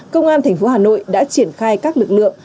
công an thành phố hà nội đã triển khai các lực lượng